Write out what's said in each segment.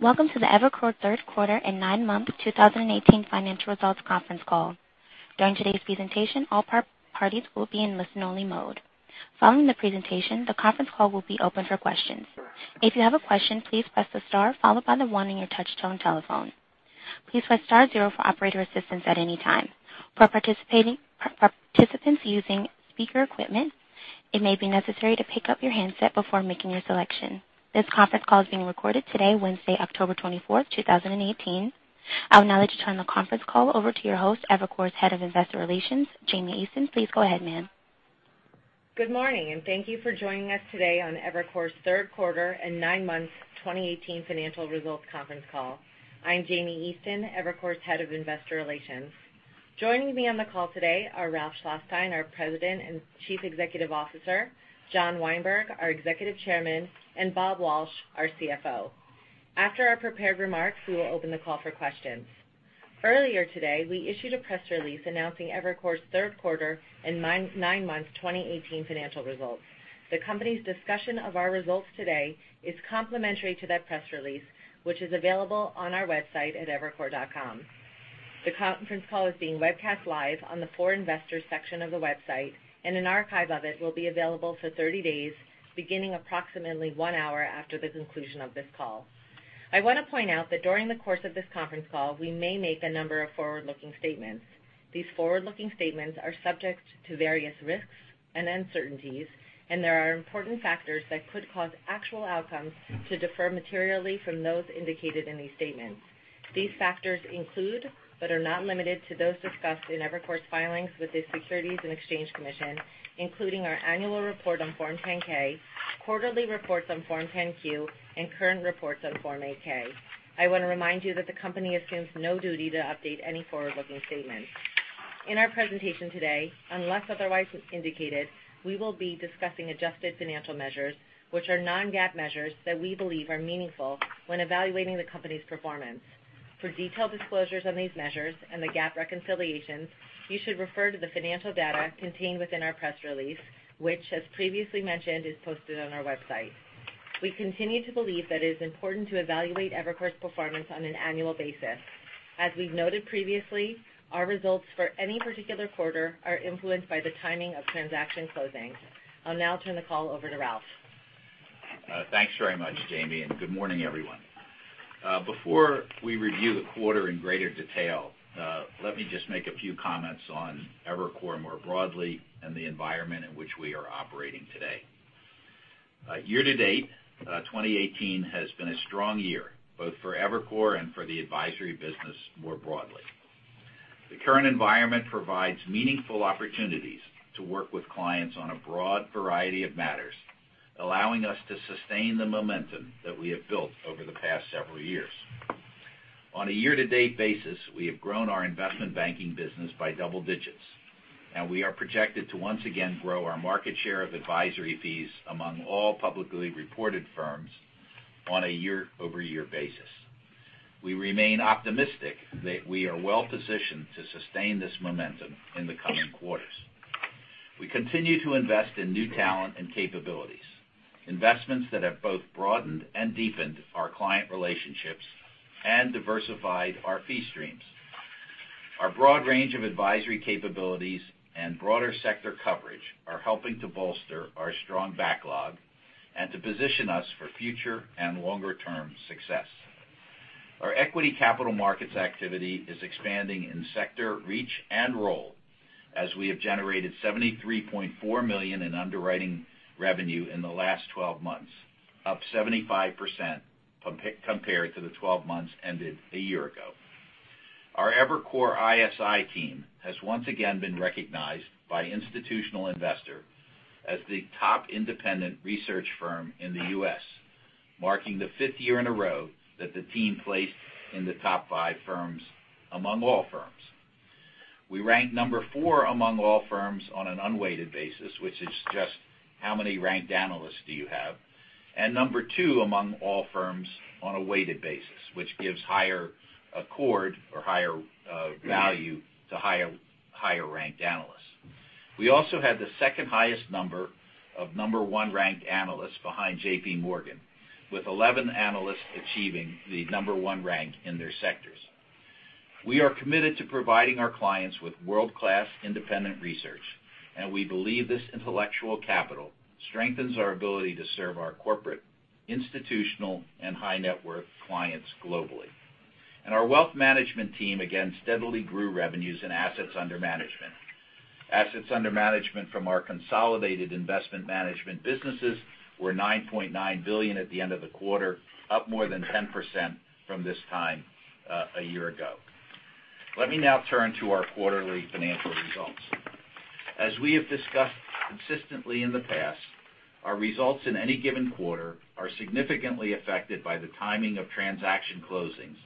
Welcome to the Evercore third quarter and nine-month 2018 financial results conference call. During today's presentation, all parties will be in listen-only mode. Following the presentation, the conference call will be open for questions. If you have a question, please press the star followed by the one in your touch-tone telephone. Please press star zero for operator assistance at any time. For participants using speaker equipment, it may be necessary to pick up your handset before making your selection. This conference call is being recorded today, Wednesday, October 24th, 2018. I would now like to turn the conference call over to your host, Evercore's Head of Investor Relations, Jamie Easton. Please go ahead, ma'am. Good morning. Thank you for joining us today on Evercore's third quarter and nine-month 2018 financial results conference call. I'm Jamie Easton, Evercore's Head of Investor Relations. Joining me on the call today are Ralph Schlosstein, our President and Chief Executive Officer, John Weinberg, our Executive Chairman, and Robert Walsh, our CFO. After our prepared remarks, we will open the call for questions. Earlier today, we issued a press release announcing Evercore's third quarter and nine-month 2018 financial results. The company's discussion of our results today is complementary to that press release, which is available on our website at evercore.com. The conference call is being webcast live on the For Investors section of the website, and an archive of it will be available for 30 days, beginning approximately one hour after the conclusion of this call. I want to point out that during the course of this conference call, we may make a number of forward-looking statements. These forward-looking statements are subject to various risks and uncertainties. There are important factors that could cause actual outcomes to defer materially from those indicated in these statements. These factors include, but are not limited to, those discussed in Evercore's filings with the Securities and Exchange Commission, including our annual report on Form 10-K, quarterly reports on Form 10-Q. Current reports on Form 8-K. I want to remind you that the company assumes no duty to update any forward-looking statements. In our presentation today, unless otherwise indicated, we will be discussing adjusted financial measures, which are non-GAAP measures that we believe are meaningful when evaluating the company's performance. For detailed disclosures on these measures and the GAAP reconciliations, you should refer to the financial data contained within our press release, which, as previously mentioned, is posted on our website. We continue to believe that it is important to evaluate Evercore's performance on an annual basis. As we've noted previously, our results for any particular quarter are influenced by the timing of transaction closings. I'll now turn the call over to Ralph. Thanks very much, Jamie, and good morning, everyone. Before we review the quarter in greater detail, let me just make a few comments on Evercore more broadly and the environment in which we are operating today. Year-to-date, 2018 has been a strong year, both for Evercore and for the advisory business more broadly. The current environment provides meaningful opportunities to work with clients on a broad variety of matters, allowing us to sustain the momentum that we have built over the past several years. On a year-to-date basis, we have grown our investment banking business by double digits, and we are projected to once again grow our market share of advisory fees among all publicly reported firms on a year-over-year basis. We remain optimistic that we are well-positioned to sustain this momentum in the coming quarters. We continue to invest in new talent and capabilities, investments that have both broadened and deepened our client relationships and diversified our fee streams. Our broad range of advisory capabilities and broader sector coverage are helping to bolster our strong backlog and to position us for future and longer-term success. Our equity capital markets activity is expanding in sector reach and role as we have generated $73.4 million in underwriting revenue in the last 12 months, up 75% compared to the 12 months ended a year ago. Our Evercore ISI team has once again been recognized by Institutional Investor as the top independent research firm in the U.S., marking the fifth year in a row that the team placed in the top five firms among all firms. We ranked number 4 among all firms on an unweighted basis, which is just how many ranked analysts do you have, and number 2 among all firms on a weighted basis, which gives higher accord or higher value to higher-ranked analysts. We also had the second highest number of number 1-ranked analysts behind JPMorgan, with 11 analysts achieving the number 1 rank in their sectors. We are committed to providing our clients with world-class independent research, and we believe this intellectual capital strengthens our ability to serve our corporate, institutional, and high-net-worth clients globally. Our wealth management team again steadily grew revenues and assets under management. Assets under management from our consolidated investment management businesses were $9.9 billion at the end of the quarter, up more than 10% from this time a year ago. Let me now turn to our quarterly financial results. As we have discussed consistently in the past, our results in any given quarter are significantly affected by the timing of transaction closings,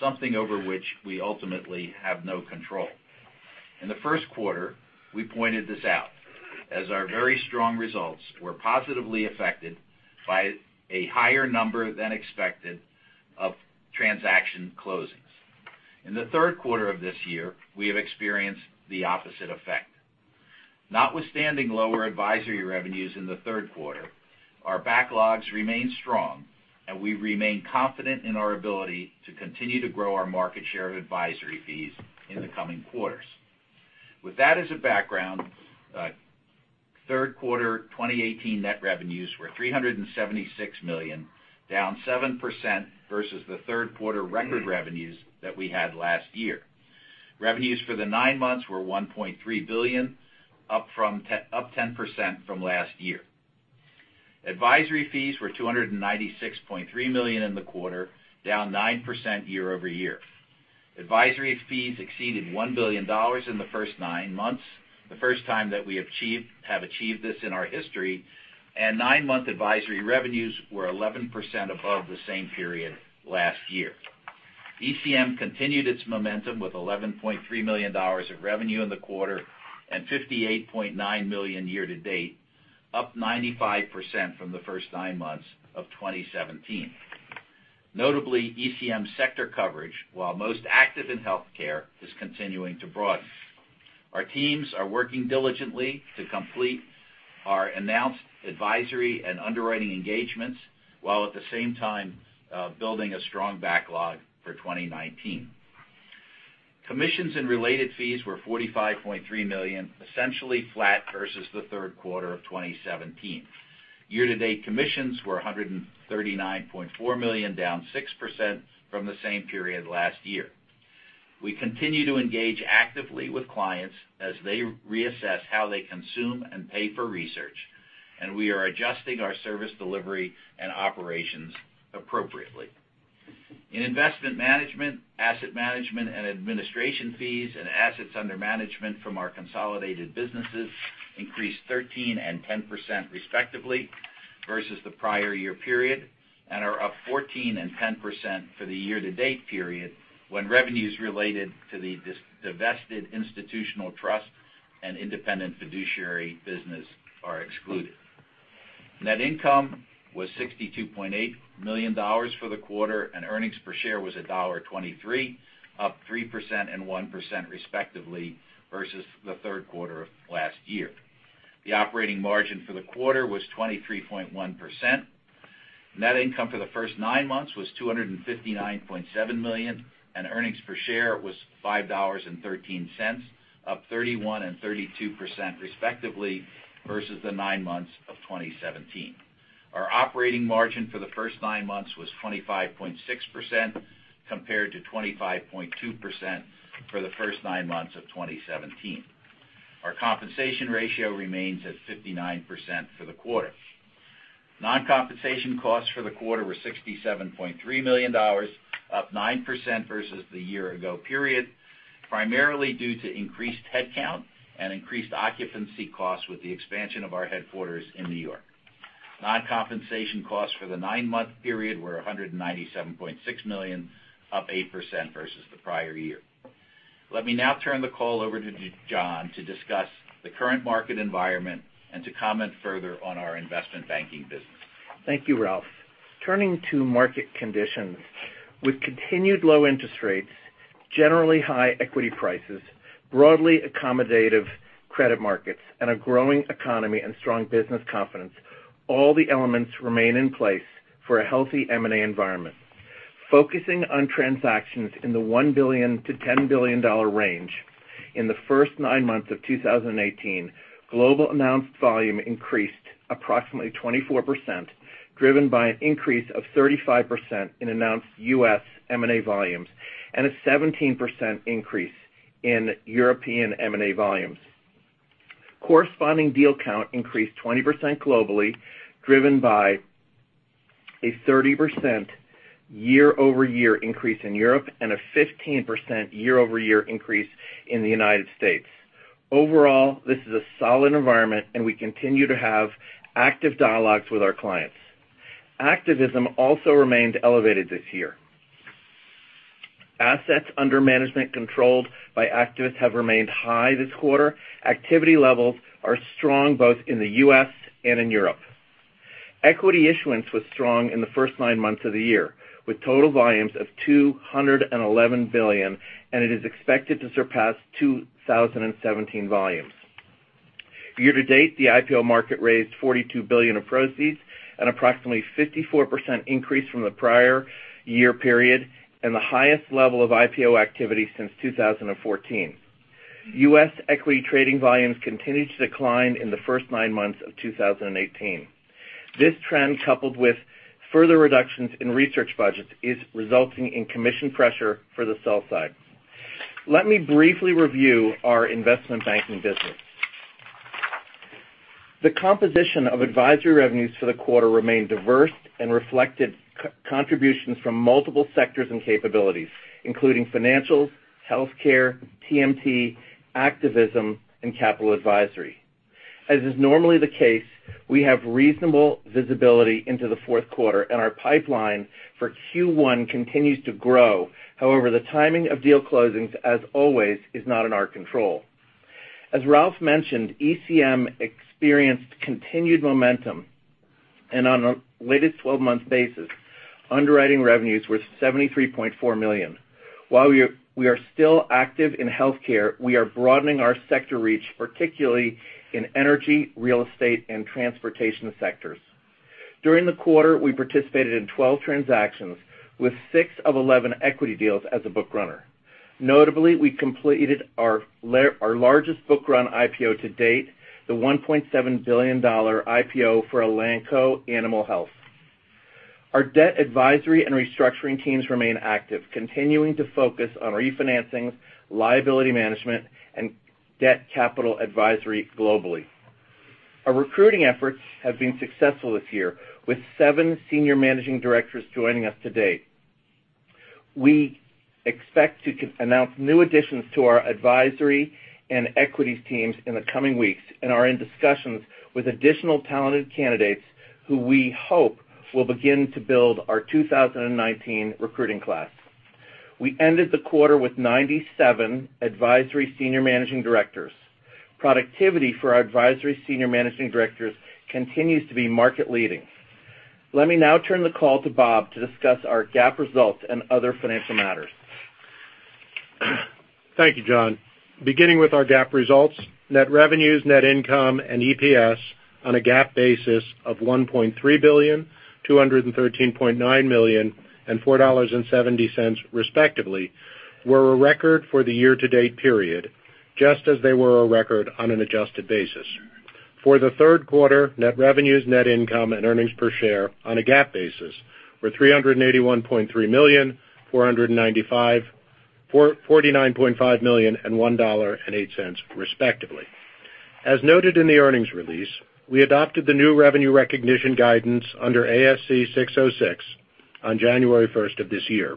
something over which we ultimately have no control. In the first quarter, we pointed this out as our very strong results were positively affected by a higher number than expected of transaction closings. In the third quarter of this year, we have experienced the opposite effect. Notwithstanding lower advisory revenues in the third quarter, our backlogs remain strong, and we remain confident in our ability to continue to grow our market share of advisory fees in the coming quarters. With that as a background, third quarter 2018 net revenues were $376 million, down 7% versus the third quarter record revenues that we had last year. Revenues for the nine months were $1.3 billion, up 10% from last year. Advisory fees were $296.3 million in the quarter, down 9% year-over-year. Advisory fees exceeded $1 billion in the first nine months, the first time that we have achieved this in our history, and nine-month advisory revenues were 11% above the same period last year. ECM continued its momentum with $11.3 million of revenue in the quarter and $58.9 million year to date, up 95% from the first nine months of 2017. Notably, ECM sector coverage, while most active in healthcare, is continuing to broaden. Our teams are working diligently to complete our announced advisory and underwriting engagements, while at the same time, building a strong backlog for 2019. Commissions and related fees were $45.3 million, essentially flat versus the third quarter of 2017. Year-to-date commissions were $139.4 million, down 6% from the same period last year. We continue to engage actively with clients as they reassess how they consume and pay for research. We are adjusting our service delivery and operations appropriately. In investment management, asset management and administration fees and assets under management from our consolidated businesses increased 13% and 10% respectively versus the prior year period, and are up 14% and 10% for the year-to-date period when revenues related to the divested institutional trust and independent fiduciary business are excluded. Net income was $62.8 million for the quarter, and earnings per share was $1.23, up 3% and 1% respectively versus the third quarter of last year. The operating margin for the quarter was 23.1%. Net income for the first nine months was $259.7 million, and earnings per share was $5.13, up 31% and 32% respectively versus the nine months of 2017. Our operating margin for the first nine months was 25.6% compared to 25.2% for the first nine months of 2017. Our compensation ratio remains at 59% for the quarter. Non-compensation costs for the quarter were $67.3 million, up 9% versus the year ago period, primarily due to increased headcount and increased occupancy costs with the expansion of our headquarters in New York. Non-compensation costs for the nine-month period were $197.6 million, up 8% versus the prior year. Let me now turn the call over to John to discuss the current market environment and to comment further on our investment banking business. Thank you, Ralph. Turning to market conditions, with continued low interest rates, generally high equity prices, broadly accommodative credit markets, and a growing economy and strong business confidence, all the elements remain in place for a healthy M&A environment. Focusing on transactions in the $1 billion to $10 billion range, in the first nine months of 2018, global announced volume increased approximately 24%, driven by an increase of 35% in announced U.S. M&A volumes, and a 17% increase in European M&A volumes. Corresponding deal count increased 20% globally, driven by a 30% year-over-year increase in Europe and a 15% year-over-year increase in the United States. Overall, this is a solid environment. We continue to have active dialogues with our clients. Activism also remained elevated this year. Assets under management controlled by activists have remained high this quarter. Activity levels are strong both in the U.S. and in Europe. Equity issuance was strong in the first nine months of the year, with total volumes of $211 billion. It is expected to surpass 2017 volumes. Year to date, the IPO market raised $42 billion of proceeds at approximately 54% increase from the prior year period and the highest level of IPO activity since 2014. U.S. equity trading volumes continued to decline in the first nine months of 2018. This trend, coupled with further reductions in research budgets, is resulting in commission pressure for the sell side. Let me briefly review our investment banking business. The composition of advisory revenues for the quarter remained diverse and reflected contributions from multiple sectors and capabilities, including financials, healthcare, TMT, activism, and capital advisory. As is normally the case, we have reasonable visibility into the fourth quarter, and our pipeline for Q1 continues to grow. However, the timing of deal closings, as always, is not in our control. As Ralph mentioned, ECM experienced continued momentum. On a latest 12-month basis, underwriting revenues were $73.4 million. While we are still active in healthcare, we are broadening our sector reach, particularly in energy, real estate, and transportation sectors. During the quarter, we participated in 12 transactions, with six of 11 equity deals as a bookrunner. Notably, we completed our largest bookrun IPO to date, the $1.7 billion IPO for Elanco Animal Health. Our debt advisory and restructuring teams remain active, continuing to focus on refinancings, liability management, and debt capital advisory globally. Our recruiting efforts have been successful this year, with seven Senior Managing Directors joining us to date. We expect to announce new additions to our advisory and equities teams in the coming weeks and are in discussions with additional talented candidates who we hope will begin to build our 2019 recruiting class. We ended the quarter with 97 advisory Senior Managing Directors. Productivity for our advisory Senior Managing Directors continues to be market-leading. Let me now turn the call to Bob to discuss our GAAP results and other financial matters. Thank you, John. Beginning with our GAAP results, net revenues, net income, and EPS on a GAAP basis of $1.3 billion, $213.9 million, and $4.70 respectively, were a record for the year-to-date period, just as they were a record on an adjusted basis. For the third quarter, net revenues, net income, and earnings per share on a GAAP basis were $381.3 million, $49.5 million, and $1.08 respectively. As noted in the earnings release, we adopted the new revenue recognition guidance under ASC 606 on January 1st of this year.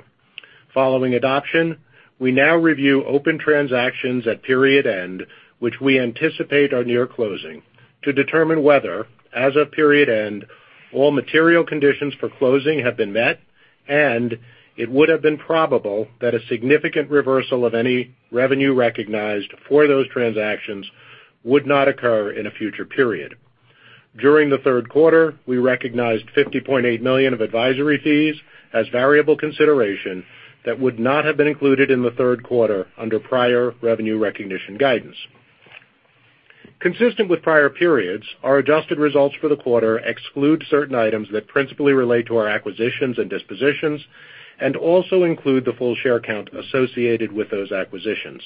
Following adoption, we now review open transactions at period end, which we anticipate are near closing, to determine whether, as of period end, all material conditions for closing have been met, and it would've been probable that a significant reversal of any revenue recognized for those transactions would not occur in a future period. During the third quarter, we recognized $50.8 million of advisory fees as variable consideration that would not have been included in the third quarter under prior revenue recognition guidance. Consistent with prior periods, our adjusted results for the quarter exclude certain items that principally relate to our acquisitions and dispositions and also include the full share count associated with those acquisitions.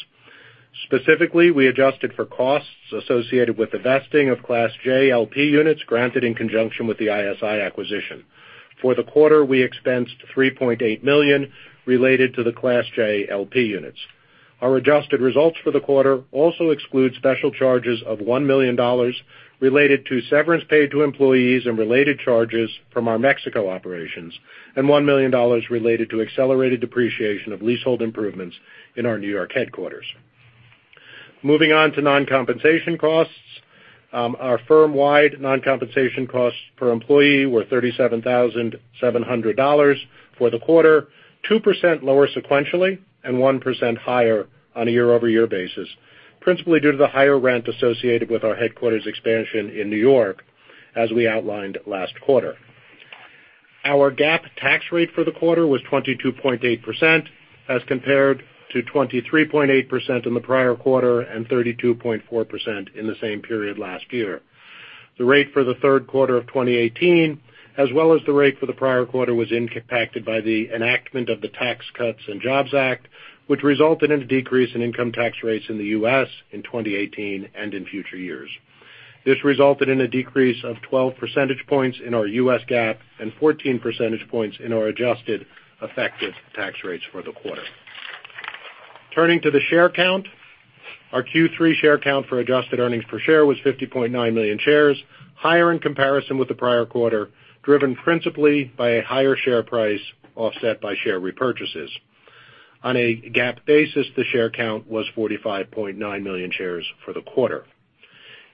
Specifically, we adjusted for costs associated with the vesting of Class J LP Units granted in conjunction with the ISI acquisition. For the quarter, we expensed $3.8 million related to the Class J LP Units. Our adjusted results for the quarter also exclude special charges of $1 million related to severance paid to employees and related charges from our Mexico operations, and $1 million related to accelerated depreciation of leasehold improvements in our N.Y. headquarters. Moving on to non-compensation costs. Our firm-wide non-compensation costs per employee were $37,700 for the quarter, 2% lower sequentially and 1% higher on a year-over-year basis, principally due to the higher rent associated with our headquarters expansion in N.Y. as we outlined last quarter. Our GAAP tax rate for the quarter was 22.8%, as compared to 23.8% in the prior quarter and 32.4% in the same period last year. The rate for the third quarter of 2018, as well as the rate for the prior quarter, was impacted by the enactment of the Tax Cuts and Jobs Act, which resulted in a decrease in income tax rates in the U.S. in 2018 and in future years. This resulted in a decrease of 12 percentage points in our U.S. GAAP and 14 percentage points in our adjusted effective tax rates for the quarter. Turning to the share count. Our Q3 share count for adjusted earnings per share was 50.9 million shares, higher in comparison with the prior quarter, driven principally by a higher share price offset by share repurchases. On a GAAP basis, the share count was 45.9 million shares for the quarter.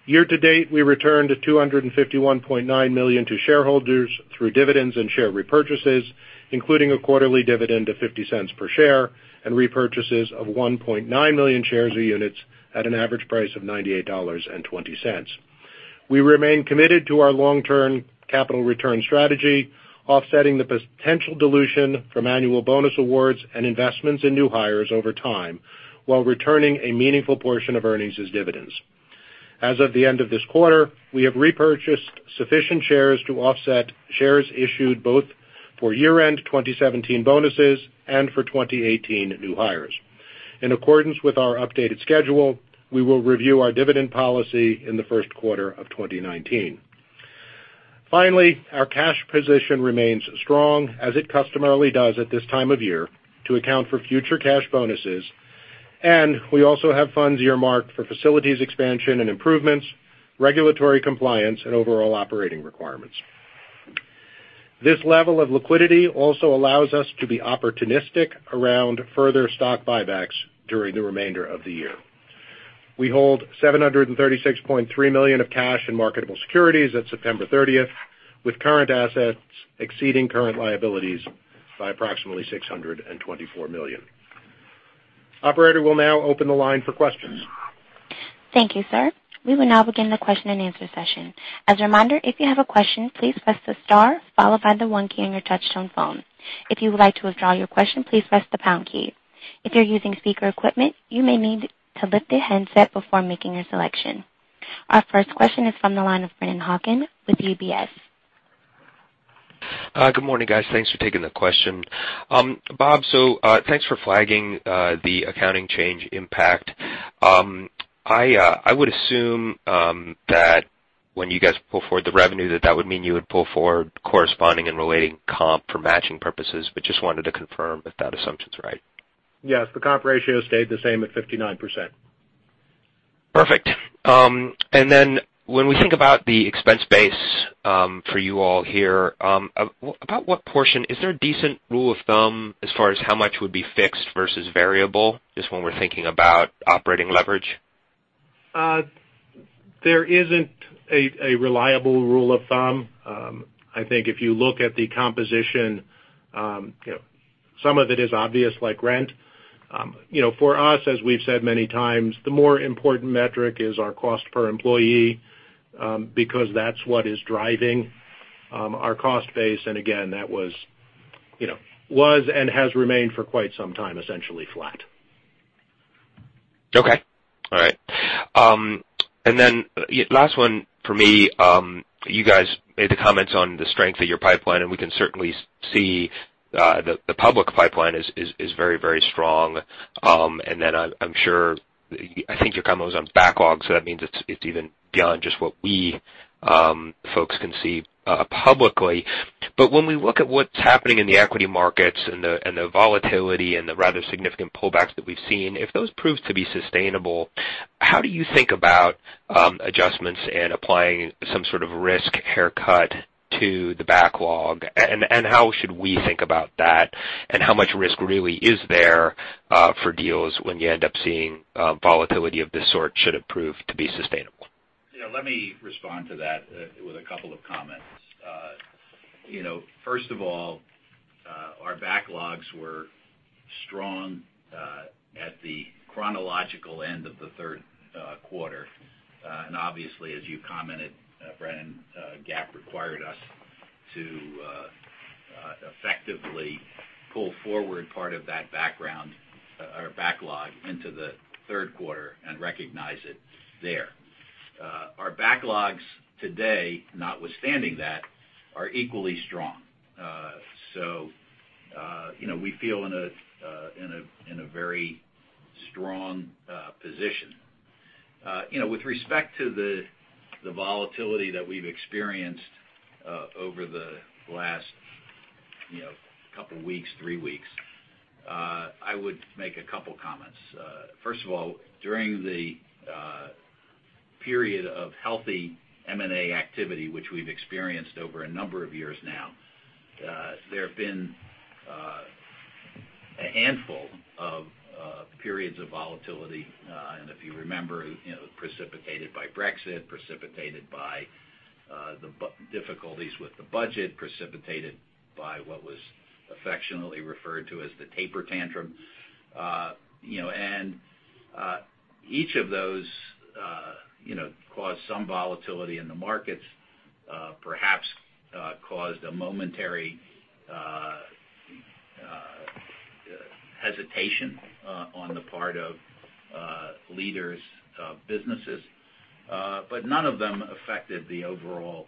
Year to date, we returned $251.9 million to shareholders through dividends and share repurchases, including a quarterly dividend of $0.50 per share and repurchases of 1.9 million shares of units at an average price of $98.20. We remain committed to our long-term capital return strategy, offsetting the potential dilution from annual bonus awards and investments in new hires over time while returning a meaningful portion of earnings as dividends. As of the end of this quarter, we have repurchased sufficient shares to offset shares issued both for year-end 2017 bonuses and for 2018 new hires. In accordance with our updated schedule, we will review our dividend policy in the first quarter of 2019. Finally, our cash position remains strong as it customarily does at this time of year to account for future cash bonuses, and we also have funds earmarked for facilities expansion and improvements, regulatory compliance, and overall operating requirements. This level of liquidity also allows us to be opportunistic around further stock buybacks during the remainder of the year. We hold $736.3 million of cash and marketable securities at September 30th, with current assets exceeding current liabilities by approximately $624 million. Operator will now open the line for questions. Thank you, sir. We will now begin the question and answer session. As a reminder, if you have a question, please press the star followed by the one key on your touch-tone phone. If you would like to withdraw your question, please press the pound key. If you're using speaker equipment, you may need to lift the handset before making a selection. Our first question is from the line of Brennan Hawken with UBS. Good morning, guys. Thanks for taking the question. Bob, thanks for flagging the accounting change impact. I would assume that when you guys pull forward the revenue, that that would mean you would pull forward corresponding and relating comp for matching purposes, just wanted to confirm if that assumption's right. Yes. The comp ratio stayed the same at 59%. Perfect. When we think about the expense base for you all here, is there a decent rule of thumb as far as how much would be fixed versus variable, just when we're thinking about operating leverage? There isn't a reliable rule of thumb. I think if you look at the composition, some of it is obvious, like rent. For us, as we've said many times, the more important metric is our cost per employee, because that's what is driving our cost base. Again, that was and has remained for quite some time, essentially flat. Okay. All right. Last one for me. You guys made the comments on the strength of your pipeline. We can certainly see the public pipeline is very strong. I'm sure, I think your comment was on backlogs. That means it's even beyond just what we folks can see publicly. When we look at what's happening in the equity markets and the volatility and the rather significant pullbacks that we've seen, if those prove to be sustainable, how do you think about adjustments and applying some sort of risk haircut to the backlog? How should we think about that, and how much risk really is there for deals when you end up seeing volatility of this sort, should it prove to be sustainable? Let me respond to that with a couple of comments. First of all, our backlogs were strong at the chronological end of the third quarter. Obviously, as you commented, Brennan, GAAP required us to effectively pull forward part of that backlog into the third quarter and recognize it there. Our backlogs today, notwithstanding that, are equally strong. We feel in a very strong position. With respect to the volatility that we've experienced over the last couple weeks, three weeks, I would make a couple comments. First of all, during the period of healthy M&A activity, which we've experienced over a number of years now, there have been a handful of periods of volatility. If you remember, precipitated by Brexit, precipitated by the difficulties with the budget, precipitated by what was affectionately referred to as the taper tantrum. Each of those caused some volatility in the markets, perhaps caused a momentary hesitation on the part of leaders of businesses. None of them affected the overall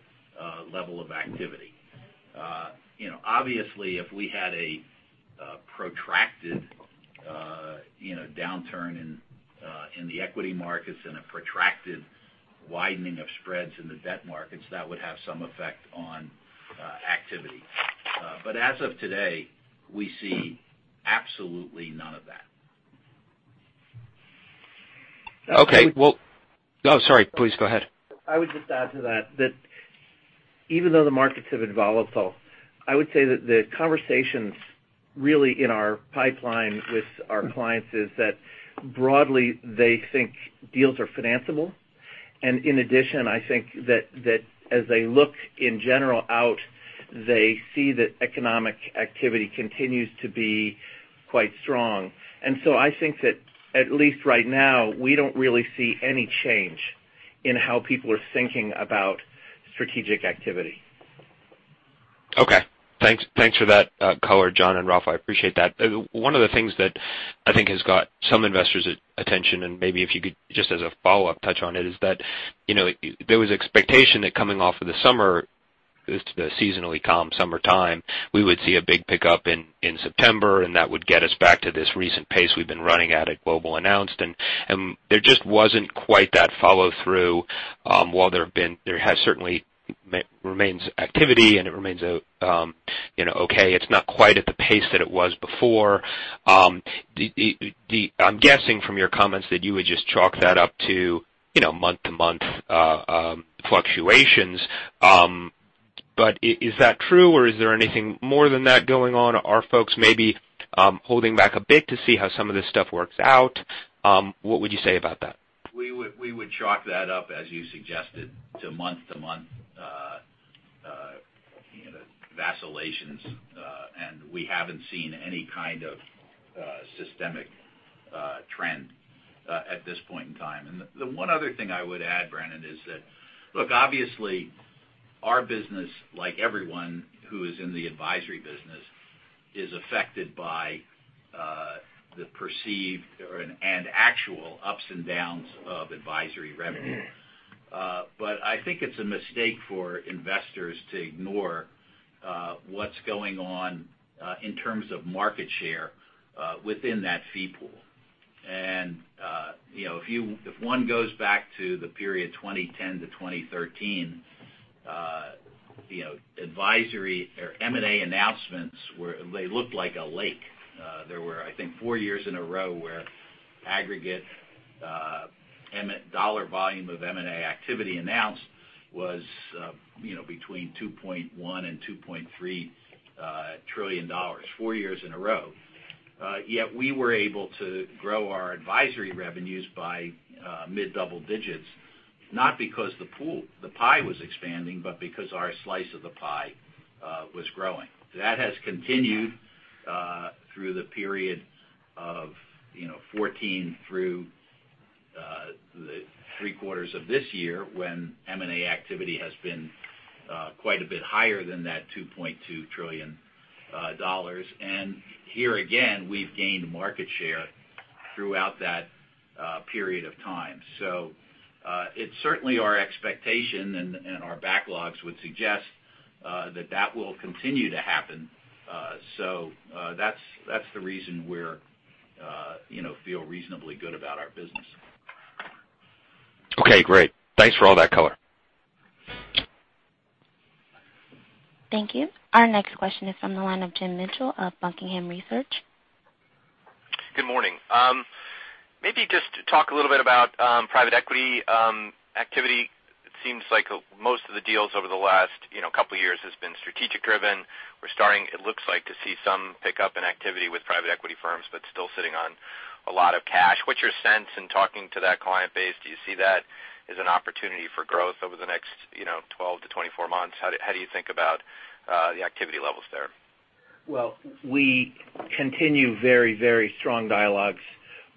level of activity. Obviously, if we had a protracted downturn in the equity markets and a protracted widening of spreads in the debt markets, that would have some effect on activity. As of today, we see absolutely none of that. Okay. Sorry. Please go ahead. I would just add to that even though the markets have been volatile, I would say that the conversations really in our pipeline with our clients is that broadly, they think deals are financeable. In addition, I think that as they look in general out, they see that economic activity continues to be quite strong. I think that at least right now, we don't really see any change in how people are thinking about strategic activity. Okay. Thanks for that color, John and Ralph. I appreciate that. One of the things that I think has got some investors' attention, and maybe if you could just as a follow-up touch on it, is that there was expectation that coming off of the summer, the seasonally calm summertime, we would see a big pickup in September, and that would get us back to this recent pace we've been running at at global announced. There just wasn't quite that follow-through. While there has certainly remains activity and it remains okay, it's not quite at the pace that it was before. I'm guessing from your comments that you would just chalk that up to month-to-month fluctuations. Is that true, or is there anything more than that going on? Are folks maybe holding back a bit to see how some of this stuff works out? What would you say about that? We would chalk that up, as you suggested, to month-to-month relations, and we haven't seen any kind of systemic trend at this point in time. The one other thing I would add, Brennan, is that, look, obviously our business, like everyone who is in the advisory business, is affected by the perceived or actual ups and downs of advisory revenue. I think it's a mistake for investors to ignore what's going on in terms of market share within that fee pool. If one goes back to the period 2010 to 2013, advisory or M&A announcements, they looked like a lake. There were, I think, four years in a row where aggregate dollar volume of M&A activity announced was between $2.1 trillion and $2.3 trillion, four years in a row. Yet we were able to grow our advisory revenues by mid-double digits, not because the pool, the pie was expanding, but because our slice of the pie was growing. That has continued through the period of 2014 through the three quarters of this year, when M&A activity has been quite a bit higher than that $2.2 trillion. Here again, we've gained market share throughout that period of time. It's certainly our expectation, and our backlogs would suggest, that that will continue to happen. That's the reason we feel reasonably good about our business. Okay, great. Thanks for all that color. Thank you. Our next question is from the line of Jim Mitchell of The Buckingham Research Group. Good morning. Maybe just talk a little bit about private equity activity. It seems like most of the deals over the last couple of years has been strategic driven. We're starting, it looks like, to see some pickup in activity with private equity firms, but still sitting on a lot of cash. What's your sense in talking to that client base? Do you see that as an opportunity for growth over the next 12-24 months? How do you think about the activity levels there? Well, we continue very strong dialogues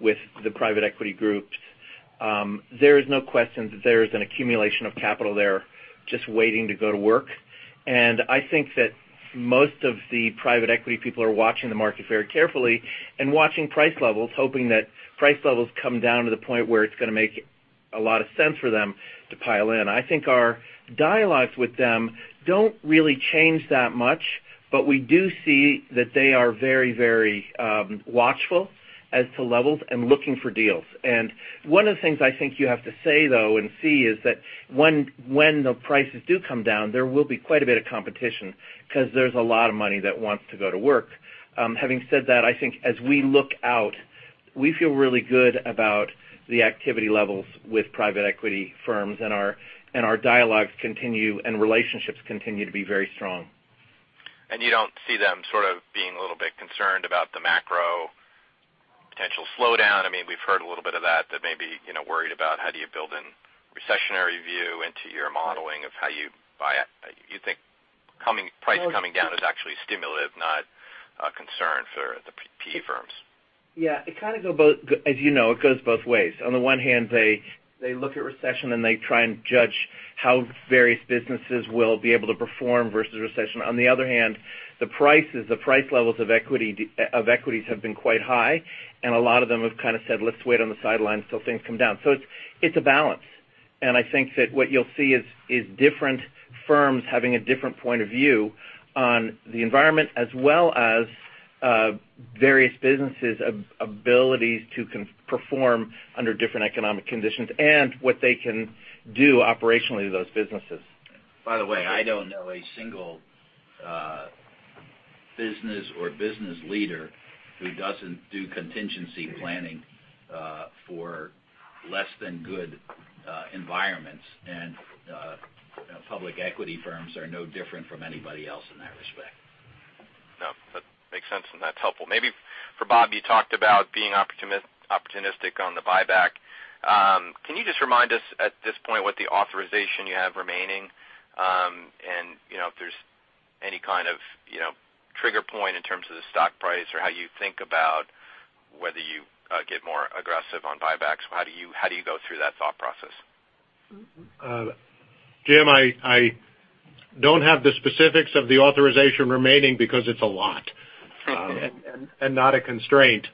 with the private equity groups. There is no question that there is an accumulation of capital there just waiting to go to work. I think that most of the private equity people are watching the market very carefully and watching price levels, hoping that price levels come down to the point where it's going to make a lot of sense for them to pile in. I think our dialogues with them don't really change that much, but we do see that they are very watchful as to levels and looking for deals. One of the things I think you have to say, though, and see is that when the prices do come down, there will be quite a bit of competition because there's a lot of money that wants to go to work. Having said that, I think as we look out, we feel really good about the activity levels with private equity firms and our dialogues continue and relationships continue to be very strong. You don't see them sort of being a little bit concerned about the macro potential slowdown. We've heard a little bit of that. They maybe worried about how do you build in recessionary view into your modeling of how you buy. You think prices coming down is actually stimulative, not a concern for the PE firms. Yeah. As you know, it goes both ways. On the one hand, they look at recession, and they try and judge how various businesses will be able to perform versus recession. On the other hand, the prices, the price levels of equities have been quite high, and a lot of them have kind of said, "Let's wait on the sidelines till things come down." It's a balance, and I think that what you'll see is different firms having a different point of view on the environment as well as various businesses' abilities to perform under different economic conditions and what they can do operationally to those businesses. By the way, I don't know a single business or business leader who doesn't do contingency planning for less than good environments. Public equity firms are no different from anybody else in that respect. No, that makes sense and that's helpful. Maybe for Bob, you talked about being opportunistic on the buyback. Can you just remind us at this point what the authorization you have remaining, and if there's any kind of trigger point in terms of the stock price or how you think about whether you get more aggressive on buybacks? How do you go through that thought process? James, I don't have the specifics of the authorization remaining because it's a lot and not a constraint.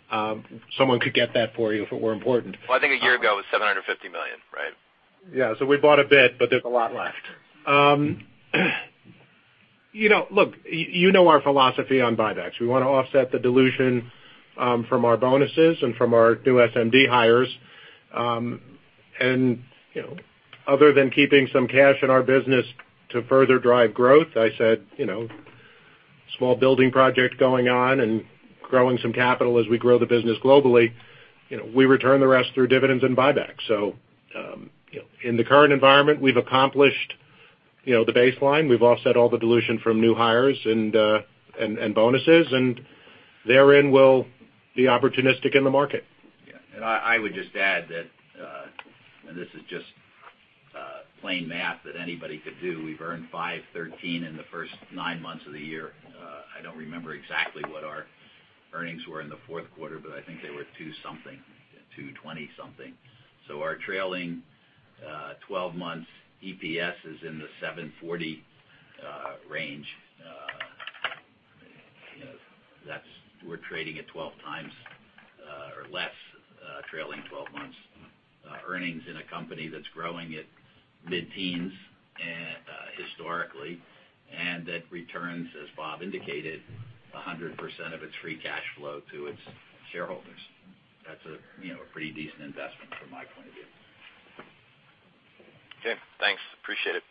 Someone could get that for you if it were important. Well, I think a year ago it was $750 million, right? Yeah. We bought a bit, but there's a lot left. Look, you know our philosophy on buybacks. We want to offset the dilution from our bonuses and from our new SMD hires. Other than keeping some cash in our business to further drive growth, I said small building project going on and growing some capital as we grow the business globally, we return the rest through dividends and buybacks. In the current environment, we've accomplished the baseline. We've offset all the dilution from new hires and bonuses, and therein we'll be opportunistic in the market. Yeah. I would just add that, and this is just plain math that anybody could do. We've earned $5.13 in the first nine months of the year. I don't remember exactly what our earnings were in the fourth quarter, but I think they were 2-something, 220-something. Our trailing 12 months EPS is in the $7.40 range. We're trading at 12 times or less trailing 12 months earnings in a company that's growing at mid-teens historically, and that returns, as Robert indicated, 100% of its free cash flow to its shareholders. That's a pretty decent investment from my point of view. Okay, thanks. Appreciate it.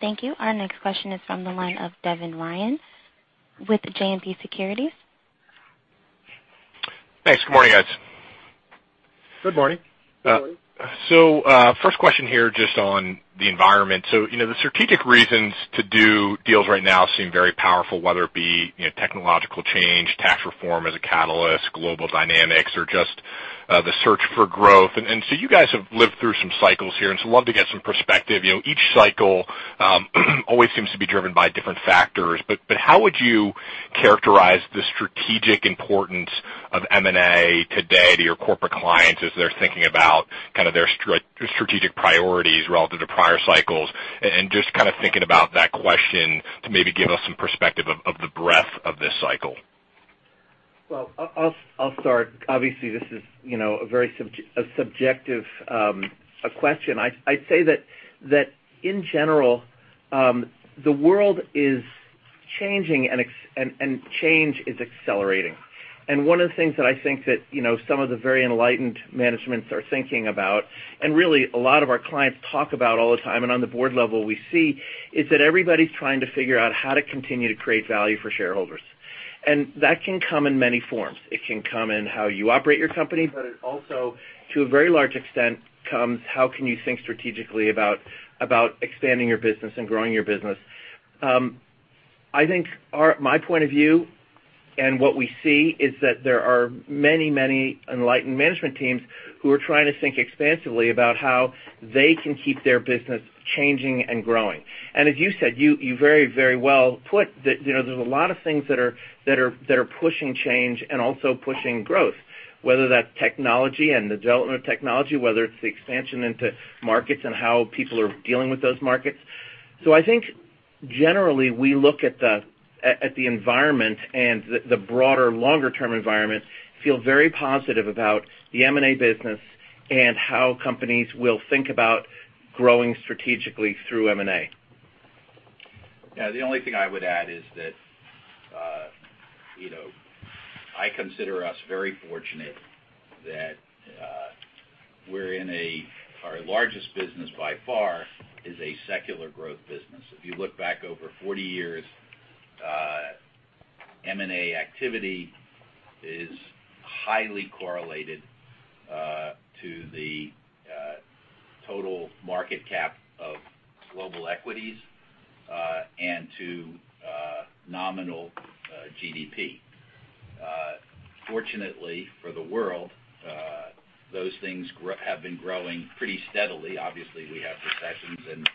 Thank you. Our next question is from the line of Devin Ryan with JMP Securities. Thanks. Good morning, guys. Good morning. Good morning. First question here, just on the environment. The strategic reasons to do deals right now seem very powerful, whether it be technological change, tax reform as a catalyst, global dynamics, or just the search for growth. You guys have lived through some cycles here, love to get some perspective. Each cycle always seems to be driven by different factors, but how would you characterize the strategic importance of M&A today to your corporate clients as they're thinking about their strategic priorities relative to prior cycles? Just thinking about that question to maybe give us some perspective of the breadth of this cycle. Well, I'll start. Obviously, this is a very subjective question. I'd say that in general, the world is changing and change is accelerating. One of the things that I think that some of the very enlightened managements are thinking about, and really a lot of our clients talk about all the time, and on the board level we see, is that everybody's trying to figure out how to continue to create value for shareholders. That can come in many forms. It can come in how you operate your company, but it also, to a very large extent, comes how can you think strategically about expanding your business and growing your business. I think my point of view and what we see is that there are many enlightened management teams who are trying to think expansively about how they can keep their business changing and growing. As you said, you very well put that there's a lot of things that are pushing change and also pushing growth, whether that's technology and the development of technology, whether it's the expansion into markets and how people are dealing with those markets. I think generally, we look at the environment and the broader, longer term environment, feel very positive about the M&A business and how companies will think about growing strategically through M&A. Yeah, the only thing I would add is that I consider us very fortunate that our largest business by far is a secular growth business. If you look back over 40 years, M&A activity is highly correlated to the total market cap of global equities and to nominal GDP. Fortunately for the world, those things have been growing pretty steadily. Obviously, we have recessions and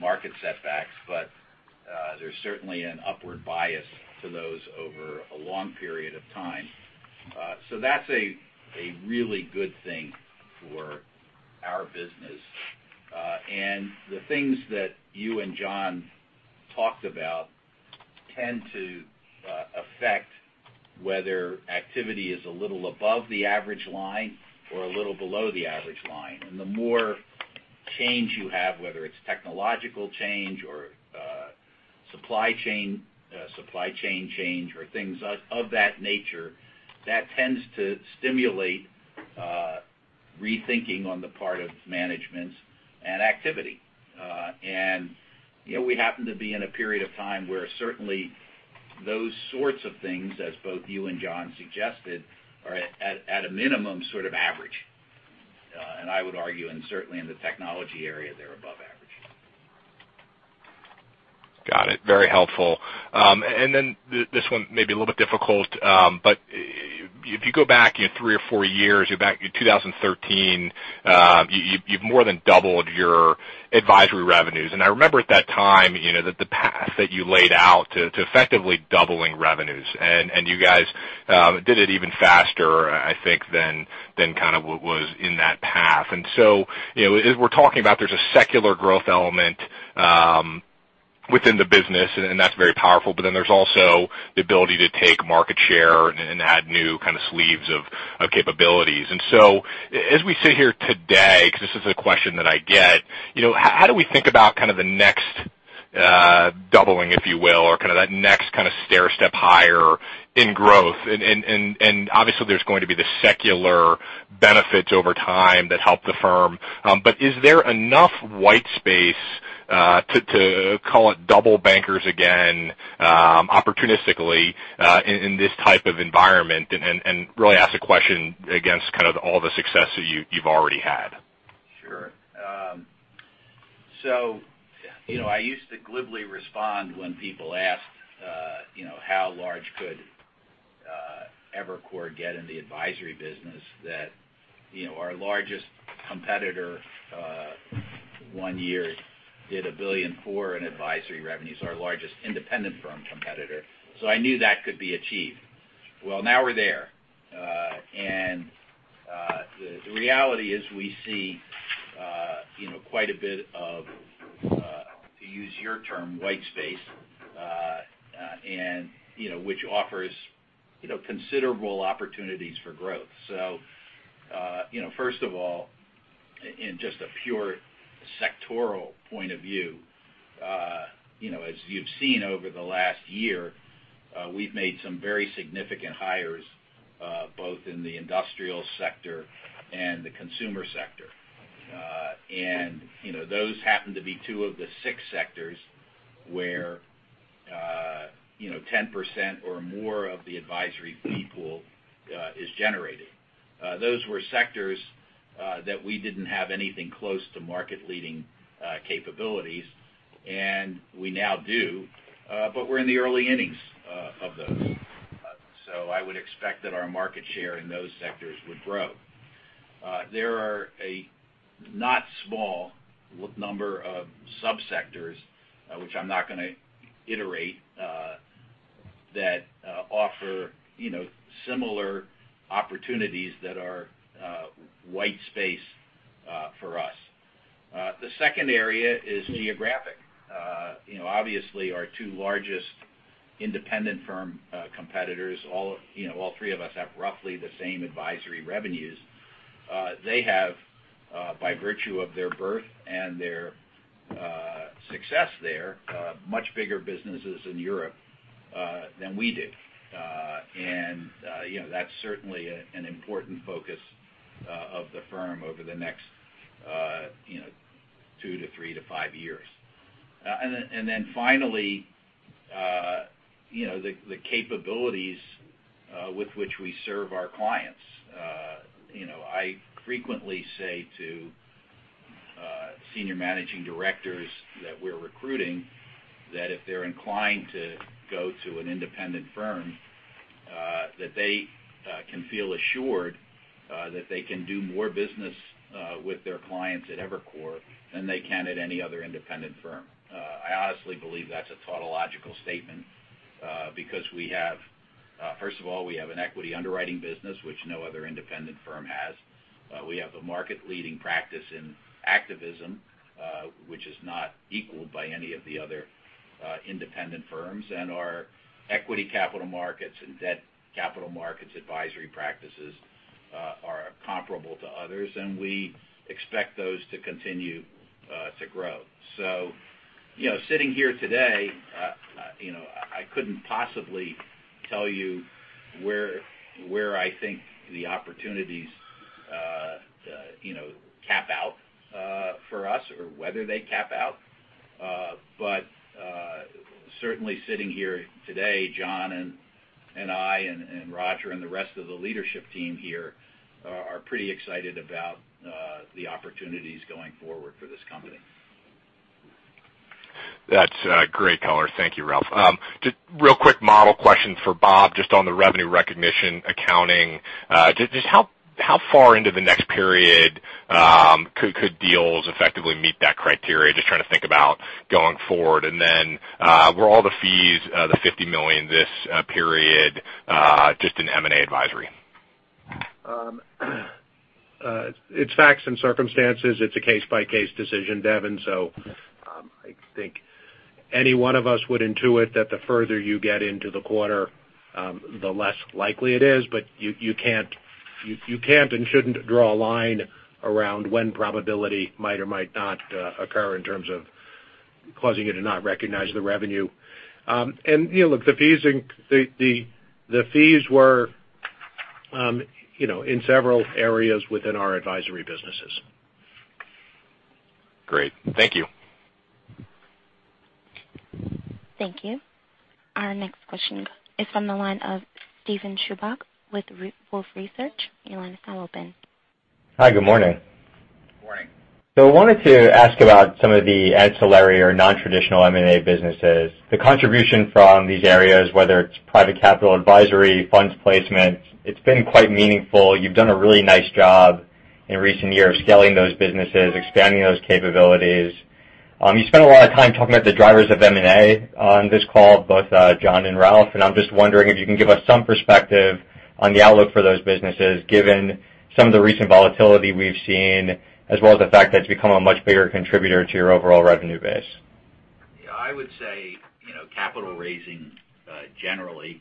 market setbacks, but there's certainly an upward bias to those over a long period of time. That's a really good thing for our business. The things that you and John talked about tend to affect whether activity is a little above the average line or a little below the average line. The more change you have, whether it's technological change or supply chain change or things of that nature, that tends to stimulate rethinking on the part of managements and activity. We happen to be in a period of time where certainly those sorts of things, as both you and John suggested, are at a minimum sort of average. I would argue, and certainly in the technology area, they're above average. Got it. Very helpful. This one may be a little bit difficult. If you go back three or four years, back in 2013, you've more than doubled your advisory revenues. I remember at that time, the path that you laid out to effectively doubling revenues. You guys did it even faster, I think, than what was in that path. As we're talking about, there's a secular growth element within the business, and that's very powerful, but then there's also the ability to take market share and add new sleeves of capabilities. As we sit here today, because this is a question that I get, how do we think about the next doubling, if you will, or that next stairstep higher in growth? Obviously, there's going to be the secular benefits over time that help the firm. Is there enough white space to call it double bankers again, opportunistically, in this type of environment? Really ask the question against all the success that you've already had. Sure. I used to glibly respond when people asked how large could Evercore get in the advisory business that our largest competitor one year did $1.4 billion in advisory revenues, our largest independent firm competitor. I knew that could be achieved. Well, now we're there. The reality is we see quite a bit of, to use your term, white space, which offers considerable opportunities for growth. First of all, in just a pure sectoral point of view, as you've seen over the last year, we've made some very significant hires, both in the industrial sector and the consumer sector. Those happen to be 2 of the 6 sectors where 10% or more of the advisory fee pool is generated. Those were sectors that we didn't have anything close to market-leading capabilities, and we now do, but we're in the early innings of those. I would expect that our market share in those sectors would grow. There are a not small number of sub-sectors, which I am not going to iterate, that offer similar opportunities that are white space for us. The second area is geographic. Obviously, our two largest independent firm competitors, all three of us have roughly the same advisory revenues. They have, by virtue of their birth and their success there, much bigger businesses in Europe than we do. That's certainly an important focus of the firm over the next two to three to five years. Then finally, the capabilities with which we serve our clients. I frequently say to Senior Managing Directors that we're recruiting, that if they're inclined to go to an independent firm, that they can feel assured that they can do more business with their clients at Evercore than they can at any other independent firm. I honestly believe that's a tautological statement. First of all, we have an equity underwriting business, which no other independent firm has. We have a market-leading practice in activism, which is not equaled by any of the other independent firms. Our equity capital markets and debt capital markets advisory practices are comparable to others, and we expect those to continue to grow. Sitting here today, I couldn't possibly tell you where I think the opportunities cap out for us or whether they cap out. Certainly sitting here today, John and I and Roger and the rest of the leadership team here are pretty excited about the opportunities going forward for this company. That's great color. Thank you, Ralph. Just real quick model question for Bob, just on the revenue recognition accounting. Just how far into the next period could deals effectively meet that criteria? Just trying to think about going forward. Then, were all the fees, the $50 million this period, just in M&A advisory? It's facts and circumstances. It's a case-by-case decision, Devin. I think any one of us would intuit that the further you get into the quarter, the less likely it is, but you can't and shouldn't draw a line around when probability might or might not occur in terms of causing you to not recognize the revenue. Look, the fees were in several areas within our advisory businesses. Great. Thank you. Thank you. Our next question is from the line of Steven Chubak with Wolfe Research. Your line is now open. Hi, good morning. Good morning. I wanted to ask about some of the ancillary or non-traditional M&A businesses. The contribution from these areas, whether it's private capital advisory, funds placement, it's been quite meaningful. You've done a really nice job in recent years scaling those businesses, expanding those capabilities. You spent a lot of time talking about the drivers of M&A on this call, both John and Ralph, and I'm just wondering if you can give us some perspective on the outlook for those businesses, given some of the recent volatility we've seen, as well as the fact that it's become a much bigger contributor to your overall revenue base. I would say capital raising, generally,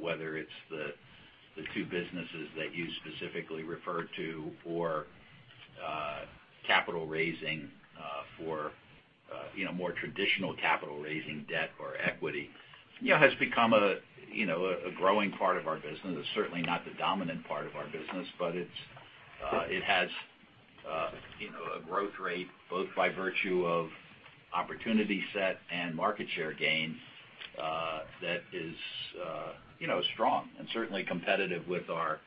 whether it's the two businesses that you specifically referred to or capital raising for more traditional capital raising debt or equity, has become a growing part of our business. It's certainly not the dominant part of our business, but it has a growth rate both by virtue of opportunity set and market share gains that is strong and certainly competitive with our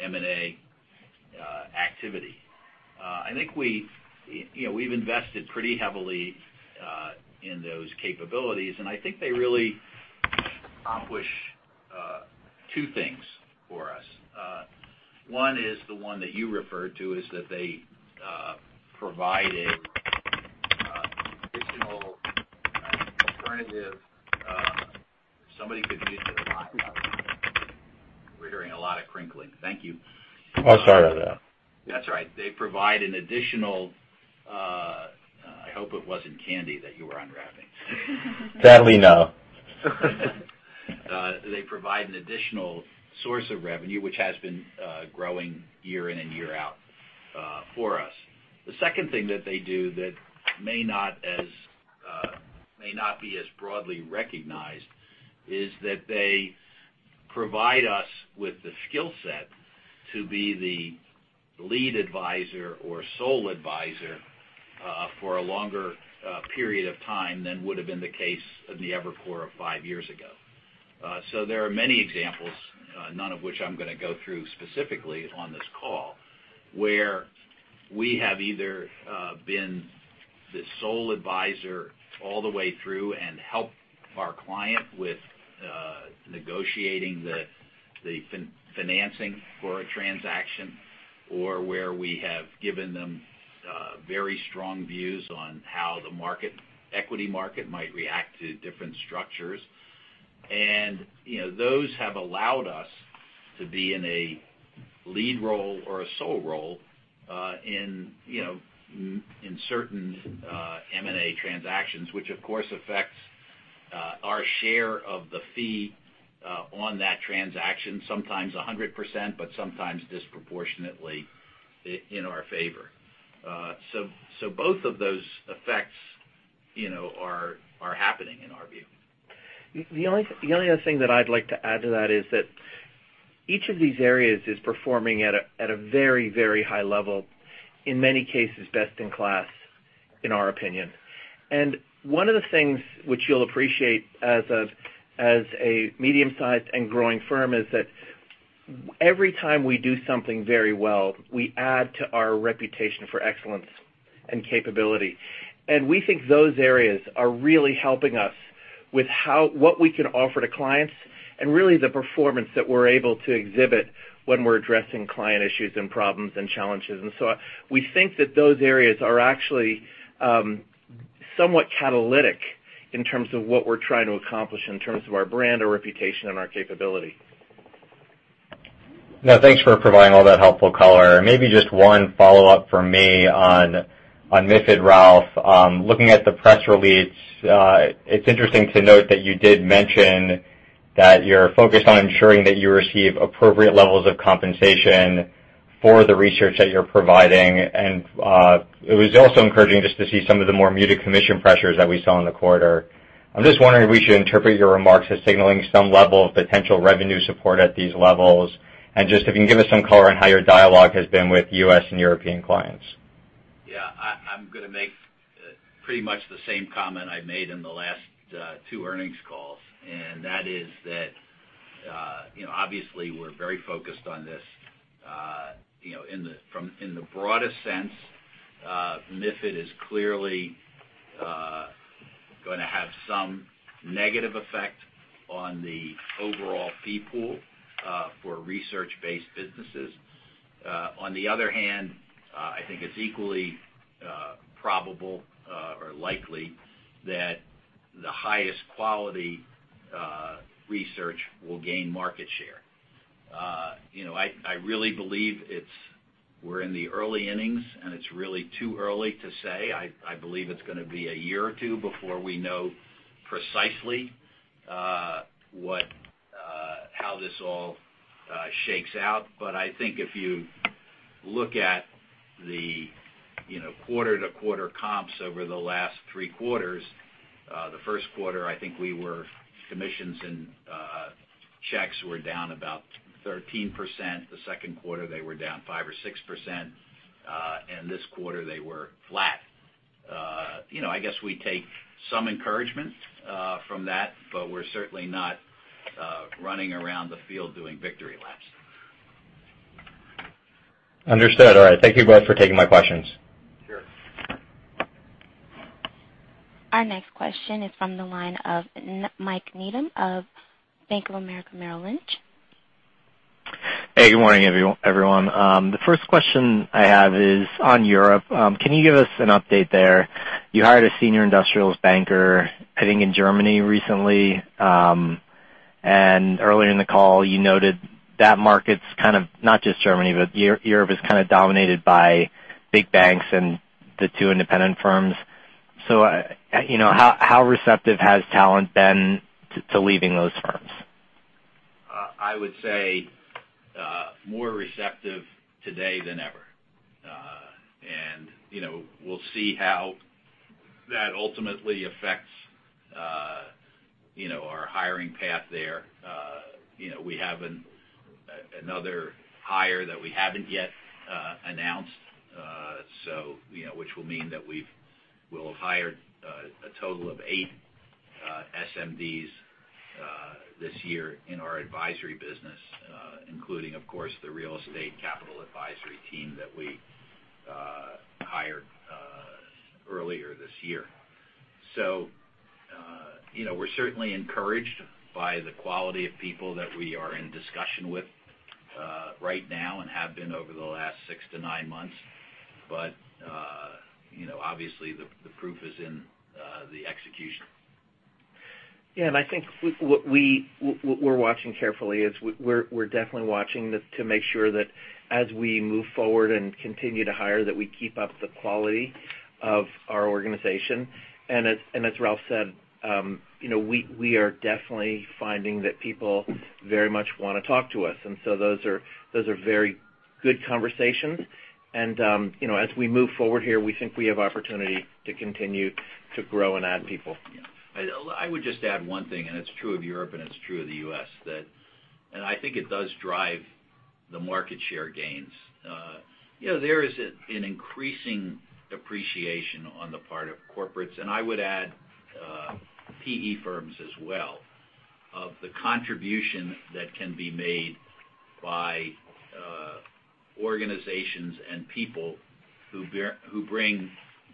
M&A activity. I think we've invested pretty heavily in those capabilities, and I think they really accomplish two things for us. One is the one that you referred to, is that they provide an additional alternative somebody could use to We're hearing a lot of crinkling. Thank you. Sorry about that. That's all right. They provide an additional I hope it wasn't candy that you were unwrapping. Sadly, no. They provide an additional source of revenue, which has been growing year in and year out for us. The second thing that they do that may not be as broadly recognized is that they provide us with the skill set to be the lead advisor or sole advisor for a longer period of time than would've been the case in the Evercore of five years ago. There are many examples, none of which I'm going to go through specifically on this call, where we have either been the sole advisor all the way through and help our client with negotiating the financing for a transaction, or where we have given them very strong views on how the equity market might react to different structures. Those have allowed us to be in a lead role or a sole role in certain M&A transactions, which of course affects our share of the fee on that transaction, sometimes 100%, but sometimes disproportionately in our favor. Both of those effects are happening in our view. The only other thing that I'd like to add to that is that each of these areas is performing at a very high level, in many cases, best in class, in our opinion. One of the things which you'll appreciate as a medium-sized and growing firm is that every time we do something very well, we add to our reputation for excellence and capability. We think those areas are really helping us with what we can offer to clients, and really the performance that we're able to exhibit when we're addressing client issues, and problems, and challenges. We think that those areas are actually somewhat catalytic in terms of what we're trying to accomplish in terms of our brand, our reputation, and our capability. Now, thanks for providing all that helpful color. Maybe just one follow-up from me on MiFID, Ralph. Looking at the press release, it's interesting to note that you did mention that you're focused on ensuring that you receive appropriate levels of compensation for the research that you're providing. It was also encouraging just to see some of the more muted commission pressures that we saw in the quarter. I'm just wondering if we should interpret your remarks as signaling some level of potential revenue support at these levels. Just if you can give us some color on how your dialogue has been with U.S. and European clients. Yeah. I'm going to make pretty much the same comment I made in the last two earnings calls, that is that obviously we're very focused on this. In the broadest sense, MiFID is clearly going to have some negative effect on the overall fee pool for research-based businesses. On the other hand, I think it's equally probable or likely that the highest quality research will gain market share. I really believe we're in the early innings, it's really too early to say. I believe it's going to be a year or two before we know precisely how this all shakes out. I think if you look at the quarter-to-quarter comps over the last three quarters, the first quarter, I think commissions and checks were down about 13%. The second quarter, they were down 5% or 6%. This quarter, they were flat. I guess we take some encouragement from that, we're certainly not running around the field doing victory laps. Understood. All right. Thank you both for taking my questions. Sure. Our next question is from the line of Michael Needham of Bank of America Merrill Lynch. Hey, good morning, everyone. The first question I have is on Europe. Can you give us an update there? You hired a senior industrials banker, I think, in Germany recently. Earlier in the call, you noted that market's kind of, not just Germany, but Europe is kind of dominated by big banks and the two independent firms. How receptive has talent been to leaving those firms? I would say more receptive today than ever. We'll see how that ultimately affects our hiring path there. We have another hire that we haven't yet announced, which will mean that we'll have hired a total of eight SMDs this year in our advisory business, including, of course, the real estate capital advisory team that we hired earlier this year. We're certainly encouraged by the quality of people that we are in discussion with right now and have been over the last six to nine months. Obviously, the proof is in the execution. Yeah. I think what we're watching carefully is we're definitely watching to make sure that as we move forward and continue to hire, that we keep up the quality of our organization. As Ralph said, we are definitely finding that people very much want to talk to us. Those are very good conversations as we move forward here, we think we have opportunity to continue to grow and add people. Yeah. I would just add one thing. It's true of Europe and it's true of the U.S., I think it does drive the market share gains. There is an increasing appreciation on the part of corporates, I would add PE firms as well, of the contribution that can be made by organizations and people who bring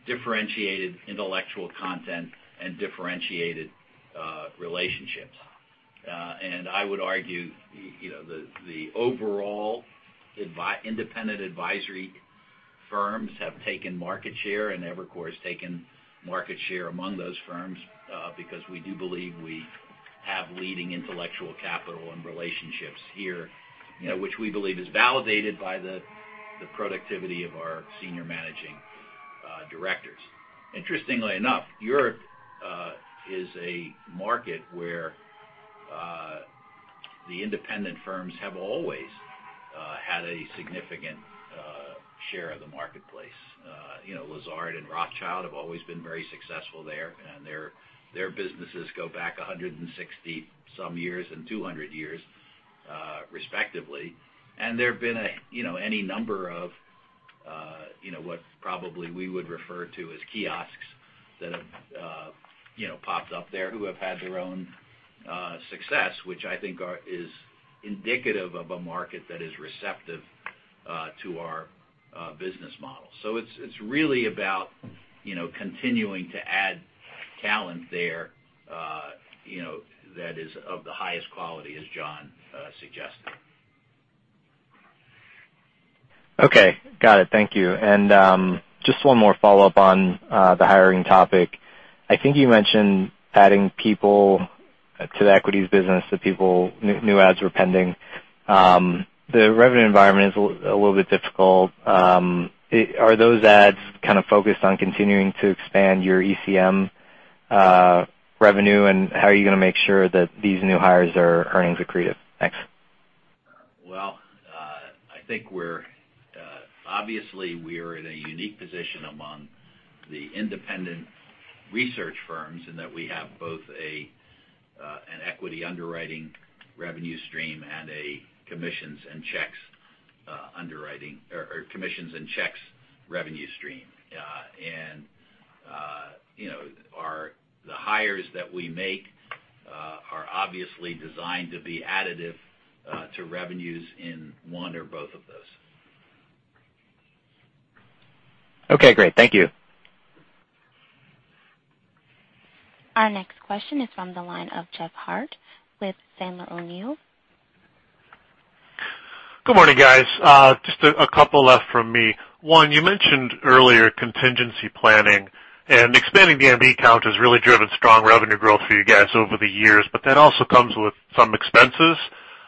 differentiated intellectual content and differentiated relationships. I would argue, the overall independent advisory firms have taken market share, Evercore has taken market share among those firms, because we do believe we have leading intellectual capital and relationships here, which we believe is validated by the productivity of our senior managing directors. Interestingly enough, Europe is a market where the independent firms have always had a significant share of the marketplace. Lazard and Rothschild have always been very successful there. Their businesses go back 160 some years and 200 years, respectively. There have been any number of what probably we would refer to as kiosks that have popped up there who have had their own success, which I think is indicative of a market that is receptive to our business model. It's really about continuing to add talent there that is of the highest quality, as John suggested. Okay. Got it. Thank you. Just one more follow-up on the hiring topic. I think you mentioned adding people to the equities business, that new ads were pending. The revenue environment is a little bit difficult. Are those ads kind of focused on continuing to expand your ECM revenue? How are you going to make sure that these new hires are earnings accretive? Thanks. Well, obviously we are in a unique position among the independent research firms in that we have both an equity underwriting revenue stream and a commissions and checks revenue stream. The hires that we make are obviously designed to be additive to revenues in one or both of those. Okay, great. Thank you. Our next question is from the line of Jeff Harte with Sandler O'Neill. Good morning, guys. Just a couple left from me. One, you mentioned earlier contingency planning, and expanding the SMD count has really driven strong revenue growth for you guys over the years, but that also comes with some expenses.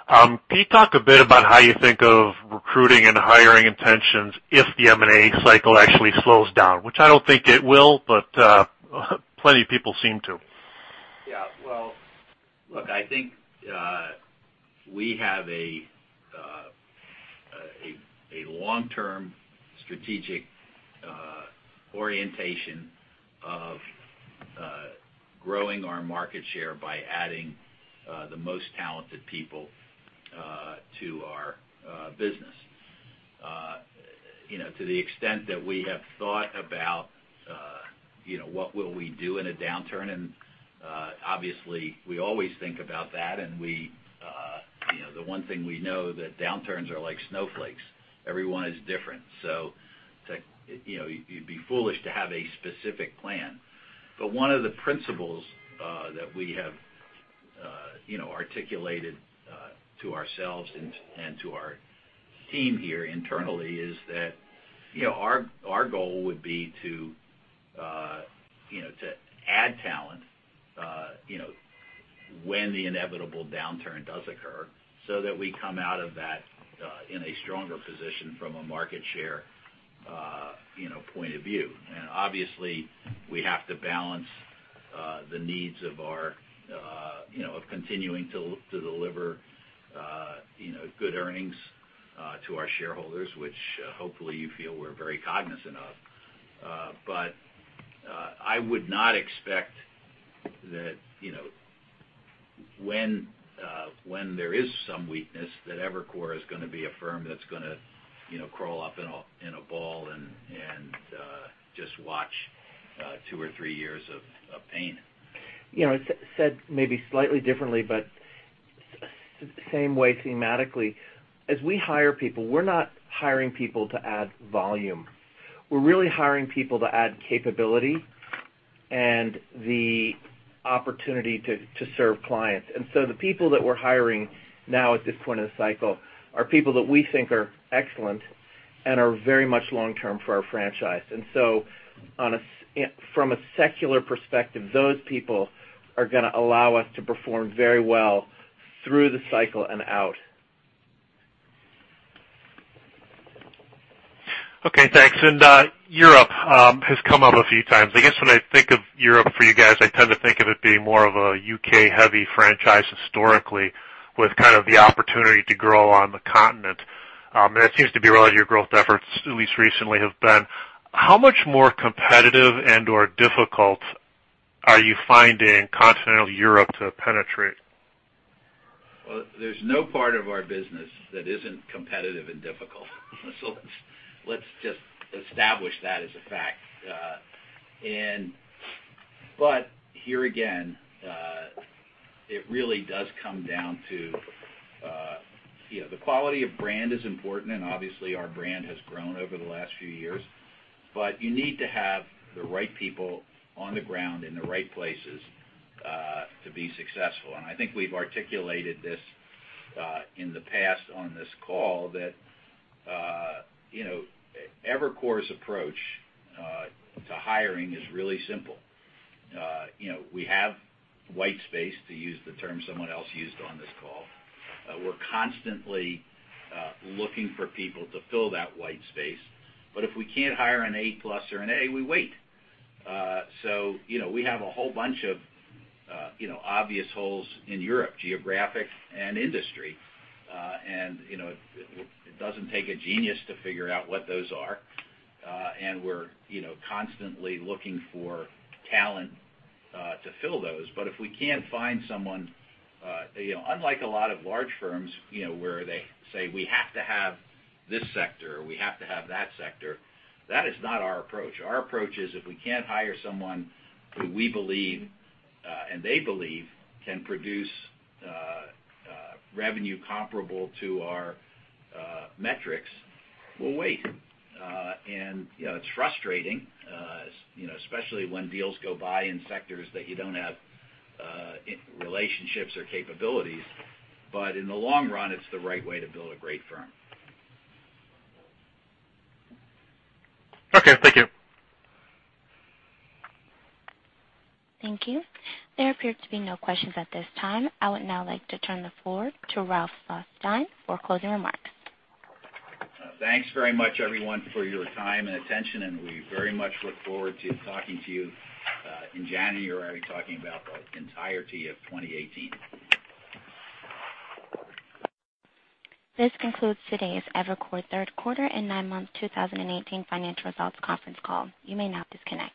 Can you talk a bit about how you think of recruiting and hiring intentions if the M&A cycle actually slows down? Which I don't think it will, but plenty of people seem to. Yeah. Well, look, I think we have a long-term strategic orientation of growing our market share by adding the most talented people to our business. To the extent that we have thought about what will we do in a downturn, obviously, we always think about that, the one thing we know that downturns are like snowflakes. Every one is different. You'd be foolish to have a specific plan. One of the principles that we have articulated to ourselves and to our team here internally is that our goal would be to add talent when the inevitable downturn does occur, so that we come out of that in a stronger position from a market share point of view. Obviously, we have to balance the needs of continuing to deliver good earnings to our shareholders, which hopefully you feel we're very cognizant of. I would not expect that when there is some weakness that Evercore is going to be a firm that's going to crawl up in a ball and just watch two or three years of pain. Said maybe slightly differently, but same way thematically. As we hire people, we're not hiring people to add volume. We're really hiring people to add capability and the opportunity to serve clients. The people that we're hiring now at this point in the cycle are people that we think are excellent and are very much long-term for our franchise. From a secular perspective, those people are going to allow us to perform very well through the cycle and out. Okay, thanks. Europe has come up a few times. I guess when I think of Europe for you guys, I tend to think of it being more of a U.K.-heavy franchise historically with kind of the opportunity to grow on the continent. It seems to be a lot of your growth efforts, at least recently, have been. How much more competitive and/or difficult are you finding continental Europe to penetrate? There's no part of our business that isn't competitive and difficult. Let's just establish that as a fact. Here again, it really does come down to the quality of brand is important, and obviously our brand has grown over the last few years. You need to have the right people on the ground in the right places to be successful. I think we've articulated this in the past on this call that Evercore's approach to hiring is really simple. We have white space, to use the term someone else used on this call. We're constantly looking for people to fill that white space, but if we can't hire an A-plus or an A, we wait. We have a whole bunch of obvious holes in Europe, geographic and industry. It doesn't take a genius to figure out what those are. We're constantly looking for talent to fill those. If we can't find someone, unlike a lot of large firms, where they say, "We have to have this sector, or we have to have that sector," that is not our approach. Our approach is if we can't hire someone who we believe, and they believe, can produce revenue comparable to our metrics, we'll wait. It's frustrating, especially when deals go by in sectors that you don't have relationships or capabilities. In the long run, it's the right way to build a great firm. Okay. Thank you. Thank you. There appear to be no questions at this time. I would now like to turn the floor to Ralph Schlosstein for closing remarks. Thanks very much, everyone, for your time and attention. We very much look forward to talking to you in January, talking about the entirety of 2018. This concludes today's Evercore third quarter and nine-month 2018 financial results conference call. You may now disconnect.